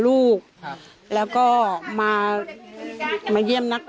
การแก้เคล็ดบางอย่างแค่นั้นเอง